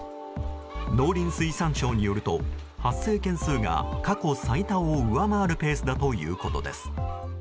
農林水産省によると発生件数が過去最多を上回るペースだということです。